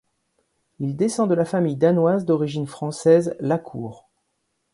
Il descend de la famille danoise d'origine française La Cour.